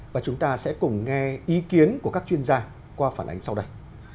và chúng ta sẽ cùng nghe ý kiến của các chuyên gia qua phản ánh sau đây